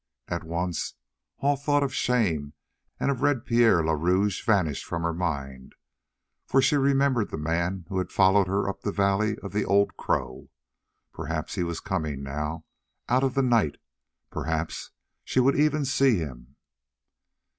At once all thought of shame and of Pierre le Rouge vanished from her mind, for she remembered the man who had followed her up the valley of the Old Crow. Perhaps he was coming now out of the night; perhaps she would even see him.